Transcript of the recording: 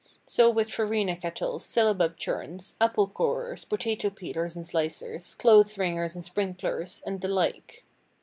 So with farina kettles, syllabub churns, apple corers, potato peelers and slicers, clothes wringers and sprinklers, and the like.